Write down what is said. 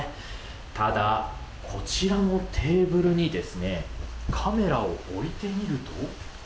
ただ、こちらのテーブルにカメラを置いてみると。